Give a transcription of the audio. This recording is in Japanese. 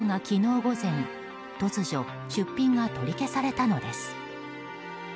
ところが昨日午前、突如出品が取り消されたのです。